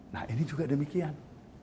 nah ini juga demikian